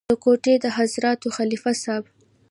د کوټې د حضرتانو خلیفه صاحب.